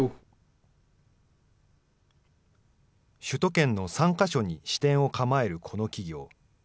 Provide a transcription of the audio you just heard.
首都圏の３か所に支店を構えるこの企業。